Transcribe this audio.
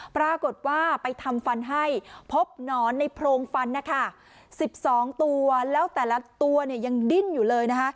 ปรากฏว่าไปทำฟันให้พบหนอนในโพรงฟันนะคะ๑๒ตัวแล้วแต่ละตัวเนี่ยยังดิ้นอยู่เลยนะคะ